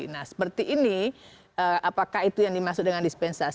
nah seperti ini apakah itu yang dimaksud dengan dispensasi